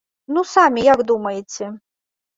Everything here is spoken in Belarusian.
Ну самі як думаеце?